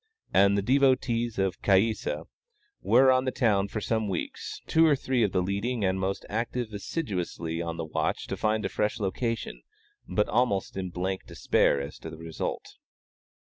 And the devotees of Caïssa were on the town for some weeks, two or three of the leading and most active assiduously on the watch to find a fresh location, but almost in blank despair as to the result.